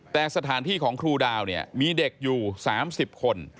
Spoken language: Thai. แต่สถานที่ของครูดาวเนี่ยมีเด็กอยู่๓๐คน